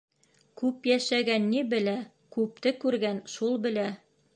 Күп йәшәгән ни белә, күпте күргән шул белә.